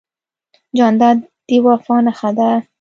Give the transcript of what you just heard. جانداد د وفا نښه ده.